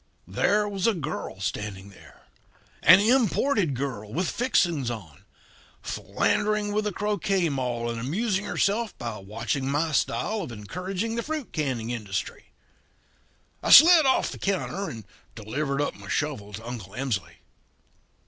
"There was a girl standing there an imported girl with fixings on philandering with a croquet maul and amusing herself by watching my style of encouraging the fruit canning industry. "I slid off the counter and delivered up my shovel to Uncle Emsley.